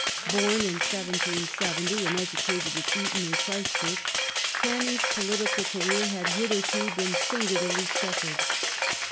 Born in 1770 and educated at Eton and Christ Church, Canning's political career had hitherto been singularly chequered.